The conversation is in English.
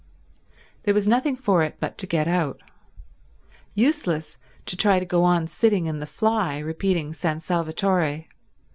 There was nothing for it but to get out. Useless to try to go on sitting in the fly repeating San Salvatore.